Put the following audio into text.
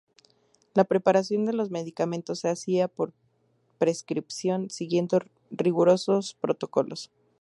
La preparación de los medicamentos se hacía por prescripción, siguiendo rigurosos protocolos.